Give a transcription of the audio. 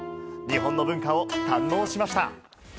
日本の文化を堪能しました。